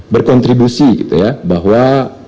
berkontribusi gitu ya bahwa